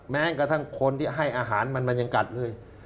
แม้กระทั่งคนที่ให้อาหารมันมันยังกัดเลย